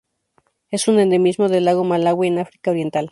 Es un endemismo del lago Malawi en África Oriental.